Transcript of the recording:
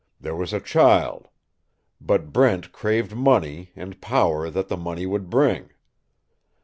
There was a child. But Brent craved money, and power that the money would bring.